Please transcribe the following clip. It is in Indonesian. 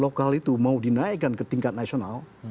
lokal itu mau dinaikkan ke tingkat nasional